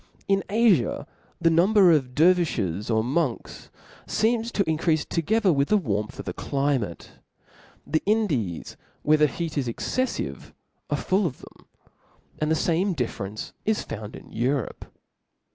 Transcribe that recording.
In Afia the number of dervifes or monks feertiS to increafe together with the warmth of the cli mate. The Indies, where the heat is exccffive, arc OF LAWS. 335 Are full of them i and the lame difference is found Book in purope.